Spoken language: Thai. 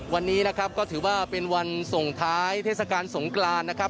วันนี้นะครับก็ถือว่าเป็นวันส่งท้ายเทศกาลสงกรานนะครับ